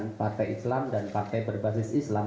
dengan partai islam dan partai berbasis islam